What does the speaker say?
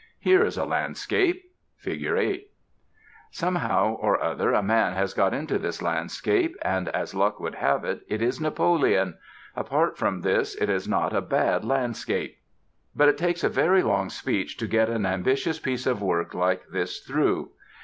Here is a Landscape (Fig. 8). Somehow or other a man has got into this landscape; and, as luck would have it, it is Napoleon. Apart from this it is not a bad landscape. [Illustration: FIG. 7] [Illustration: FIG. 8] But it takes a very long speech to get an ambitious piece of work like this through.